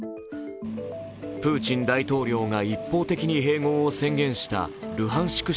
プーチン大統領が一方的に併合を宣言したルハンシク